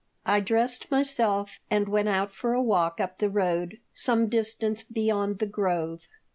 I dressed myself and went out for a walk up the road, some distance beyond the grove.